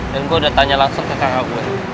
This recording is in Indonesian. dan gue udah tanya langsung ke kakak gue